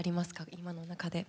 今の中で。